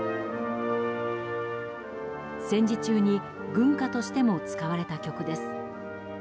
戦時中に軍歌としても使われた曲です。